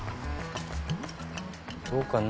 どうかな？